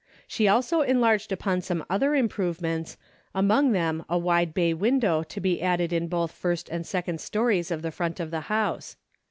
She also enlarged upon some other improve ments, among them a wide bay window to be added in both first and second stories of the front of the house.